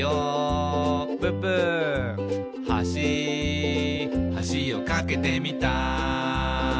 「はしはしを架けてみた」